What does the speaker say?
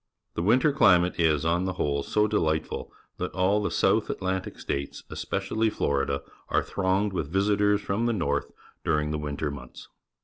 The winter climate is, on the whole, so delightful that all the South Atlantic States, especially J^lorida, are thronged with visitors from the north during the winter months.